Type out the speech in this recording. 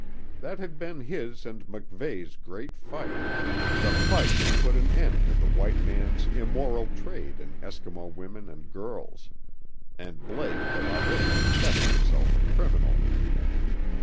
That had been his and MacVeigh's great fight the fight to put an end to the white man's immoral trade in Eskimo women and girls, and Blake had already confessed himself a criminal.